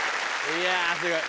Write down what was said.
いやすごい。